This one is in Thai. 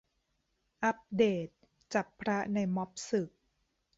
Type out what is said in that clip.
อัพเดต "จับพระในม็อบสึก"